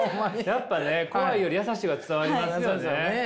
やっぱね怖いより優しいは伝わりますよね。